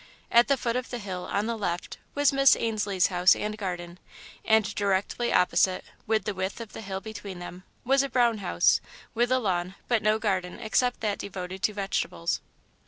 At the foot of the hill, on the left, was Miss Ainslie's house and garden, and directly opposite, with the width of the hill between them, was a brown house, with a lawn, but no garden except that devoted to vegetables.